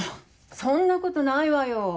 そんなことないわよ